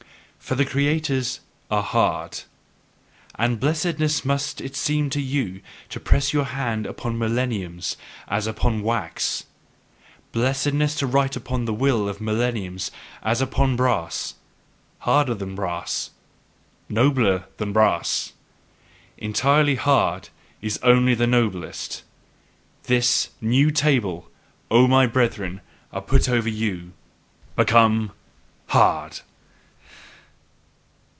For the creators are hard. And blessedness must it seem to you to press your hand upon millenniums as upon wax, Blessedness to write upon the will of millenniums as upon brass, harder than brass, nobler than brass. Entirely hard is only the noblest. This new table, O my brethren, put I up over you: BECOME HARD!